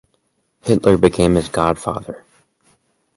Hitler became his godfather.